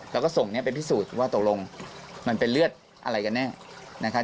แล้วก็ส่งไปพิสูจน์ว่าโตรงมันเป็นเลือดอะไรกันเนี่ย